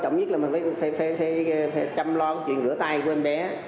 trong mùa tụ trường này quan trọng nhất là phải chăm lo chuyện rửa tay của em bé